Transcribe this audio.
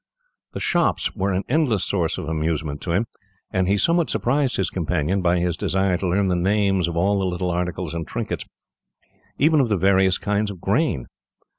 The shops were an endless source of amusement to him, and he somewhat surprised his companion by his desire to learn the names of all the little articles and trinkets, even of the various kinds of grain.